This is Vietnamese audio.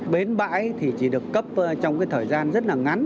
bến bãi thì chỉ được cấp trong cái thời gian rất là ngắn